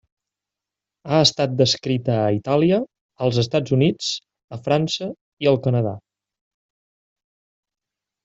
Ha estat descrita a Itàlia, als Estats Units, a França i al Canadà.